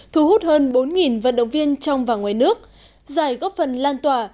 thu hút hơn bốn vận động viên trong và ngoài nước giải góp phần lan tỏa